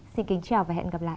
xin kính chào và hẹn gặp lại